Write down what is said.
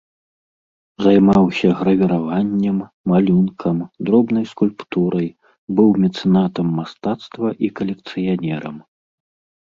Займаўся гравіраваннем, малюнкам, дробнай скульптурай, быў мецэнатам мастацтва і калекцыянерам.